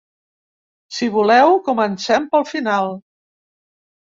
Si voleu, comencem pel final.